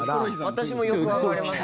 私もよくわかりますね。